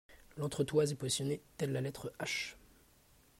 L'entretoise est positionnée telle la lettre H.